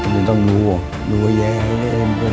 เราจะไม่ยอมให้หลานเราอด